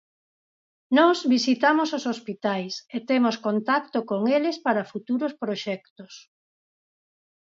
Nós visitamos os hospitais e temos contacto con eles para futuros proxectos.